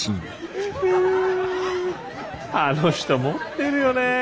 あの人持ってるよね。